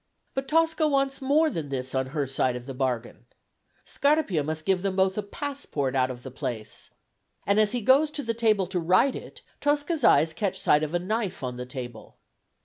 But Tosca wants more than this on her side of the bargain. Scarpia must give them both a passport out of the place, and as he goes to the table to write it Tosca's eyes catch sight of a knife on the table.